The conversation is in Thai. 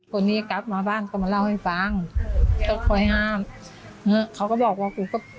คนนี้กลับมาบ้านก็มาเล่าให้ฟังก็คอยห้ามเขาก็บอกว่ากูก็